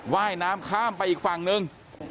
ว่ายน้ำข้ามไปอีกฝั่งหนึ่ง